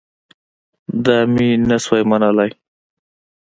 دا مې نه سو منلاى.